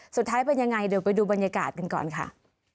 สุดท้ายเป็นยังไงเดี๋ยวไปดูบรรยากาศกันก่อนค่ะ